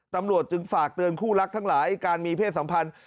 ตำรวจจึงฝากเตือนคู่รักทั้งหลายการมีเพศสัมพันธ์